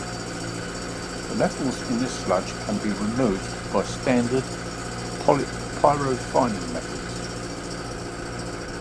The metals in this sludge can be removed by standard pyrorefining methods.